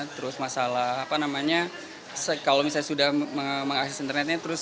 terus masalah apa namanya kalau misalnya sudah mengakses internetnya terus